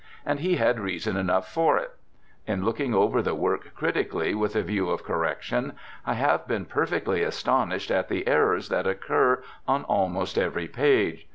And he had reason enough for it. In looking over the work critically with a view of correction, I have been perfectly astonished at the errors that occur on almost every page.